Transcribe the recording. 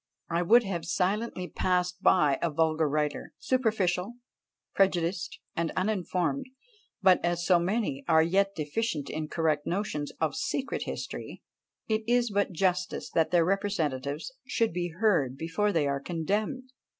I would have silently passed by a vulgar writer, superficial, prejudiced, and uninformed, but as so many are yet deficient in correct notions of secret history, it is but justice that their representative should be heard before they are condemned.